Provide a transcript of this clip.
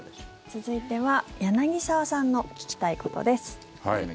続いては柳澤さんの聞きたいことです。